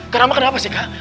karama kenapa sih kak